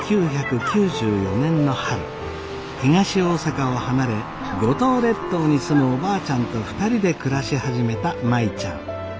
東大阪を離れ五島列島に住むおばあちゃんと２人で暮らし始めた舞ちゃん。